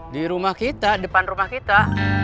di rumah kita depan rumah kita